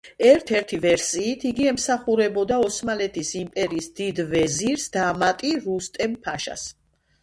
ერთ-ერთი ვერსიით, იგი ემსახურებოდა ოსმალეთის იმპერიის დიდ ვეზირს, დამატი რუსტემ-ფაშას.